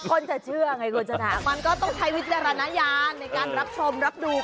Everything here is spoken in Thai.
คนจะเชื่อไงคนจะถาม